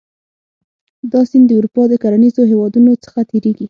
دا سیند د اروپا د کرنیزو هېوادونو څخه تیریږي.